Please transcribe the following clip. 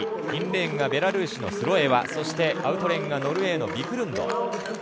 インレーンがベラルーシのスロエワアウトレーンがノルウェーのビクルンド。